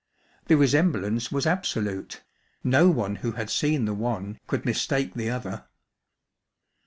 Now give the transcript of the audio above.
The resemblance was absolute, no one who had seen the one could mistake the other.